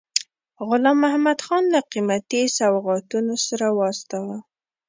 غلام محمدخان له قیمتي سوغاتونو سره واستاوه.